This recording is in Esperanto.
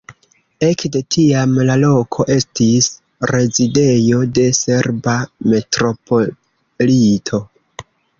Ekde tiam la loko estis rezidejo de serba metropolito.